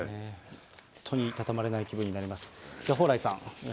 本当にいたたまれない気分になります。